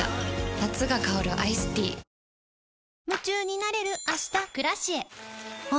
夏が香るアイスティー雨。